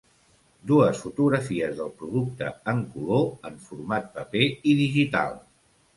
Dues fotografies del producte en color, en format paper i digital.